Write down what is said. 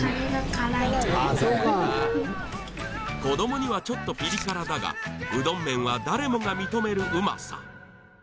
子どもにはちょっとピリ辛だがうどん麺は誰もが認めるうまさ